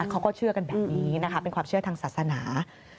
เขาก็เชื่อกันแบบนี้นะคะเป็นความเชื่อทางศาสนา